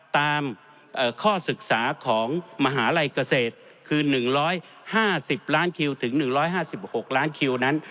ตามข้อศึกษาของมหาลัยเกษตรคือ๑๕๐ล้านคิวถึง๑๕๖ล้านคิวนั้น